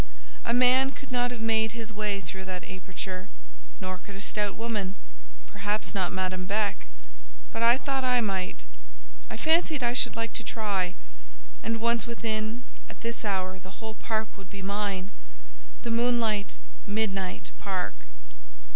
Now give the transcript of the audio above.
A man could not have made his way through that aperture, nor could a stout woman, perhaps not Madame Beck; but I thought I might: I fancied I should like to try, and once within, at this hour the whole park would be mine—the moonlight, midnight park!